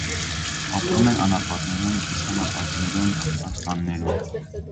Ապրում են անապատներում, կիսաանապատներում, տափաստաններում։